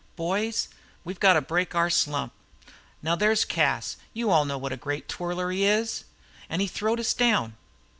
"Boys, we've got to break our slump. Now, there's Cas, you all know what a great twirler he is. An' he throwed us down.